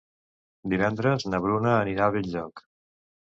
Divendres na Bruna anirà a Benlloc.